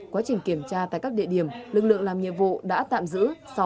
quá trình kiểm tra tại các địa điểm lực lượng làm nhiệm vụ đã tạm giữ